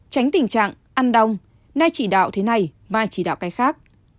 tránh tình trạng ăn đông nai chỉ đạo thế này mai chỉ đạo cái khác